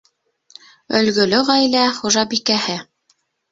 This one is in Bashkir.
Өлгөлө ғаилә хужабикәһе.